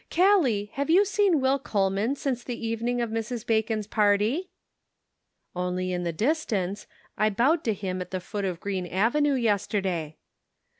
" Callie, have you seen Will Coleman since the evening of Mrs. Bacon's party ?"" Only in the distance. I bowed to him at the foot of Green Avenue yesterday."